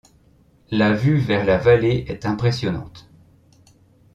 La vue vers la vallée est impressionnante.